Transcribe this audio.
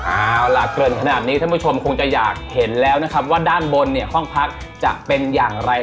เอาล่ะเกริ่นขนาดนี้ท่านผู้ชมคงจะอยากเห็นแล้วนะครับว่าด้านบนเนี่ยห้องพักจะเป็นอย่างไร